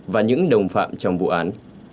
và những đồng phạm trong vụ án